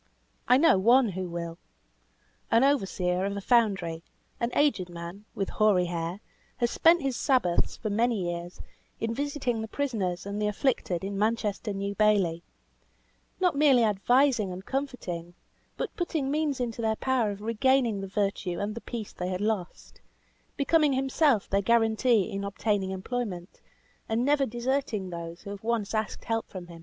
I know one who will. An overseer of a foundry, an aged man, with hoary hair, has spent his Sabbaths, for many years, in visiting the prisoners and the afflicted in Manchester New Bailey; not merely advising and comforting, but putting means into their power of regaining the virtue and the peace they had lost; becoming himself their guarantee in obtaining employment, and never deserting those who have once asked help from him.